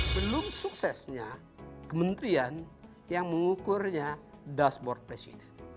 belum suksesnya kementerian yang mengukurnya dashboard presiden